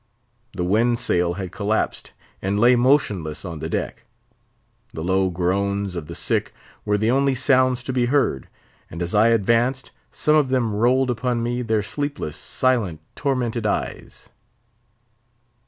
The wind sail had collapsed, and lay motionless on the deck. The low groans of the sick were the only sounds to be heard; and as I advanced, some of them rolled upon me their sleepless, silent, tormented eyes.